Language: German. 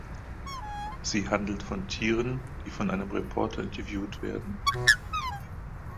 Sie handelt von Tieren, die von einem Reporter interviewt werden.